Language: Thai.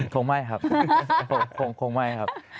คงไม่ครับคงไม่ครับ